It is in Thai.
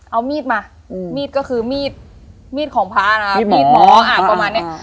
เอามีดมามีดก็คือมีดมีดของพระนะครับมีดหมออ่าประมาณเนี้ย